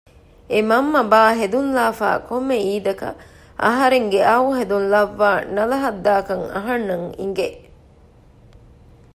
އެ މަންމަ ބާ ހެދުން ލާފައި ކޮންމެ އީދަކަށް އަހަރެންގެ އައު ހެދުން ލައްވާ ނަލަހައްދާކަން އަހަންނަށް އިނގެ